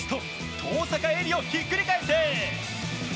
登坂絵莉をひっくり返せ！